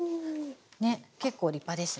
ね結構立派ですね。